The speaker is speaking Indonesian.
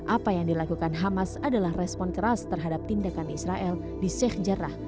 apa yang dilakukan hamas adalah respon keras terhadap tindakan israel di sheikh jarrah